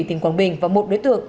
tỉnh quảng bình và một đối tượng